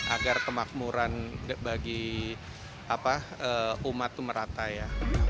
agar kemakmuran bagi umat itu merata ya